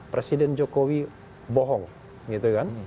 presiden jokowi bohong gitu kan